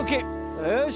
よし！